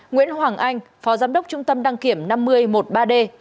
nguyễn hoàng anh phó giám đốc trung tâm đăng kiểm năm nghìn một mươi ba d